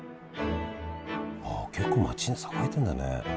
ああ結構街も栄えてるんだね。